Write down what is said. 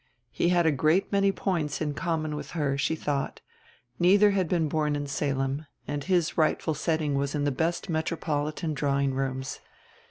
He had a great many points in common with her, she thought; neither had been born in Salem, and his rightful setting was in the best metropolitan drawing rooms.